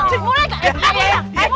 cip boleh gak